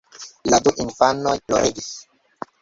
La du infanoj ploregis.